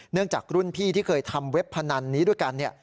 เนื่องจากรุ่นพี่ที่เคยทำเว็บพนันนี้ด้วยกัน